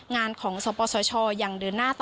งานของสปนศชอย่างเดือนหน้าต่อไปค่ะ